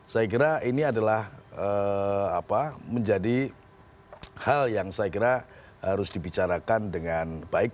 saya kira ini adalah menjadi hal yang saya kira harus dibicarakan dengan baik